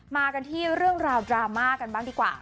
มากันที่เรื่องราวดราม่ากันบ้างดีกว่า